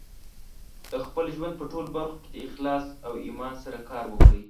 د خپل ژوند په ټولو برخو کې د اخلاص او ایمان سره کار وکړئ.